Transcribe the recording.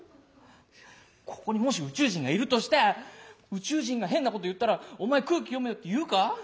「ここにもし宇宙人がいるとして宇宙人が変なこと言ったら『お前空気読めよ』って言うか？